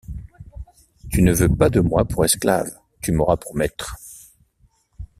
Tu ne veux pas de moi pour esclave, tu m’auras pour maître.